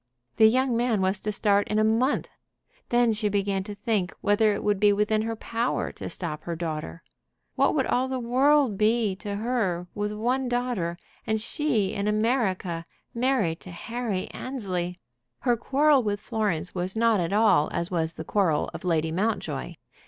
The young man was to start in a month! Then she began to think whether it would be within her power to stop her daughter. What would all the world be to her with one daughter, and she in America, married to Harry Annesley? Her quarrel with Florence was not at all as was the quarrel of Lady Mountjoy.